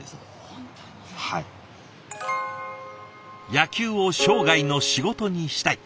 「野球を生涯の仕事にしたい」。